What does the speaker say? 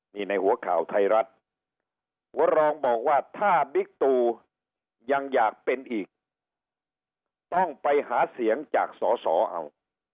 นี่ในหัวข่าวไทยรัฐหัวรองบอกว่าถ้าบิ๊กตูยังอยากเป็นอีกต้องไปหาเสียงจากสอสอเอา